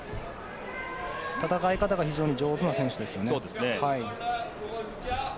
戦い方が非常に上手な選手ですよね。